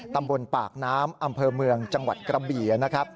ตำบลปากน้ำอำเภอเมืองจังหวัดกระบี่นะครับ